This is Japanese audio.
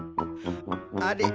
あれ？